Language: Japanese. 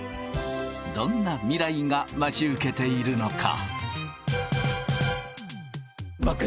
どんな未来が待ち受けているのか？